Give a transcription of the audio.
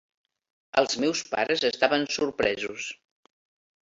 Els meus pares estaven sorpresos.